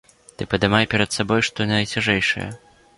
Ты падымай перад сабой што найцяжэйшае.